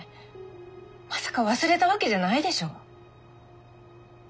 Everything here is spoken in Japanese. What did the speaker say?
まさか忘れたわけじゃないでしょう？